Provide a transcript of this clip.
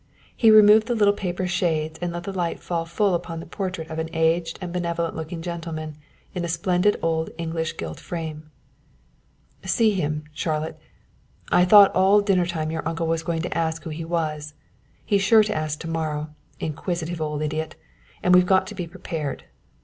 He removed the little paper shades and let the light fall full upon the portrait of an aged and benevolent looking gentleman in a splendid old English gilt frame. "See him, Charlotte; I thought all dinner time your uncle was going to ask who he was. He's sure to ask to morrow, inquisitive old idiot, and we've got to be prepared.